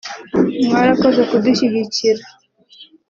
“Mwarakoze kudushyigikira